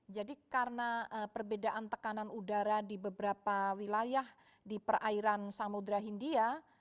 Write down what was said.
jadi karena perbedaan tekanan udara di beberapa wilayah di perairan samudera india